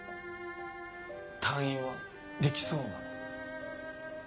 退院はできそうなの？